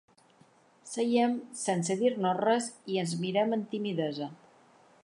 Seiem sense dir-nos res i ens mirem amb timidesa.